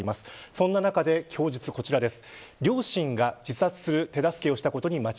そんな中での供述がこちらです。